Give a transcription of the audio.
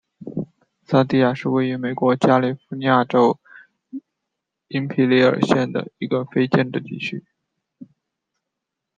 桑迪亚是位于美国加利福尼亚州因皮里尔县的一个非建制地区。